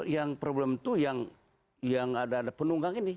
yang problem itu yang ada penunggang ini